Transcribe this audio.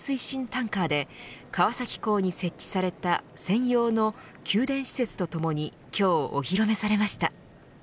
タンカーで川崎港に設置された専用の給電施設とともに今日、お披露目されました。